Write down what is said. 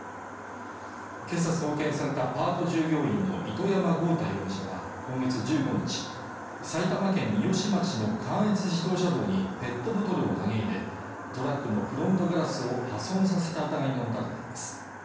今朝送検されたパート従業員の糸山豪太容疑者は今月１５日埼玉県三芳町の関越自動車道にペットボトルを投げ入れトラックのフロントガラスを破損させた疑いが持たれています